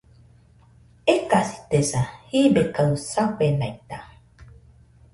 Ekasitesa, jibe kaɨ safenaita